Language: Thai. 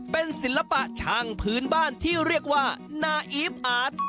เป็นศิลปะช่างพื้นบ้านที่เรียกว่านาอีฟอาร์ต